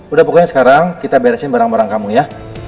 udah pokoknya sekarang kita beresin barang barang kamu ya